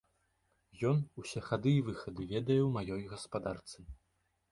Ён усе хады і выхады ведае ў маёй гаспадарцы.